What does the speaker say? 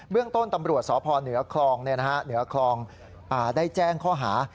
เบื้องต้นตำรวจสพเหนือคลองได้แจ้งข้อหา